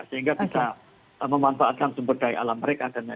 sehingga bisa memanfaatkan sumber daya alam mereka